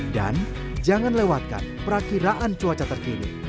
dan jangan lewatkan perakiraan cuaca terkini